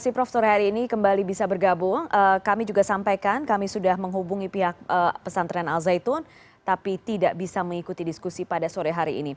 prof utang selamat sore